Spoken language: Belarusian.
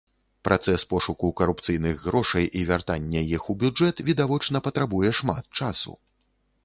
Працэс пошуку карупцыйных грошай і вяртання іх у бюджэт, відавочна, патрабуе шмат часу.